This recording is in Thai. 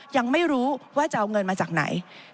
ยังไม่รู้ว่าจะเอาเงินมาจากไหน